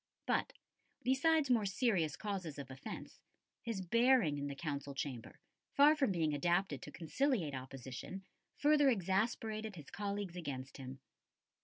But, besides more serious causes of offence, his bearing in the Council chamber, far from being adapted to conciliate opposition, further exasperated his colleagues against him.